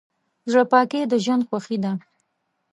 زړه پاکي د ژوند خوښي ده.